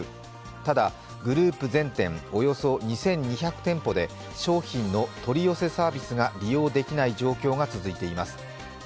ただ、グループ全店およそ２２００店舗で商品の取り寄せサービスが利用できない状況が続いています。